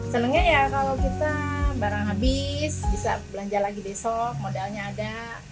senangnya ya kalau kita barang habis bisa belanja lagi besok modalnya ada